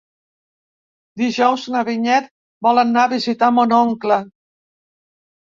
Dijous na Vinyet vol anar a visitar mon oncle.